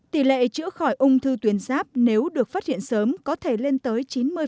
tỷ lệ chữa khỏi ung thư tuyến giáp nếu được phát hiện sớm có thể lên tới chín mươi